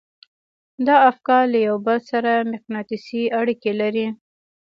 دا افکار له يو بل سره مقناطيسي اړيکې لري.